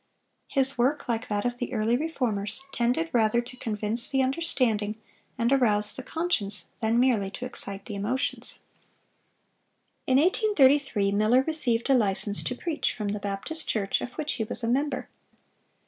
His work, like that of the early Reformers, tended rather to convince the understanding and arouse the conscience than merely to excite the emotions. In 1833 Miller received a license to preach, from the Baptist Church, of which he was a member.